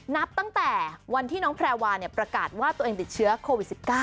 นับตั้งแต่วันที่น้องแพรวาประกาศว่าตัวเองติดเชื้อโควิด๑๙